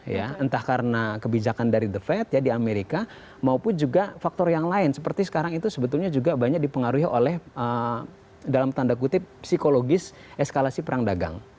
ya entah karena kebijakan dari the fed ya di amerika maupun juga faktor yang lain seperti sekarang itu sebetulnya juga banyak dipengaruhi oleh dalam tanda kutip psikologis eskalasi perang dagang